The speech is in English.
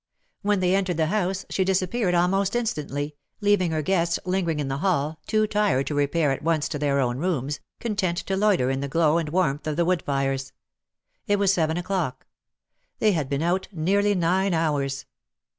When they entered the house she dis appeared almost instantly, leaving her guests lin gering in the hall, too tired to repair at once to their own rooms, content to loiter in the glow and warmth of the wood fires. It was seven o'clock. They had been out nearly nine hours.